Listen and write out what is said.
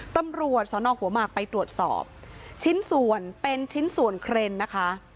ตำรวจสนหัวหมากไปตรวจสอบชิ้นส่วนเป็นชิ้นส่วนเครนนะคะ